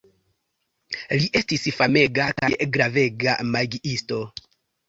Li estis famega kaj gravega magiisto.